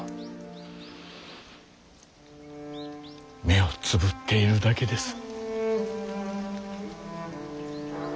目をつぶっているだけです。